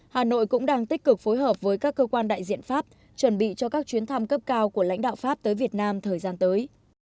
hà nội cũng đang tích cực phối hợp với các cơ quan đại diện pháp chuẩn bị cho các chuyến thăm cấp cao của lãnh đạo pháp tới việt nam thời gian tới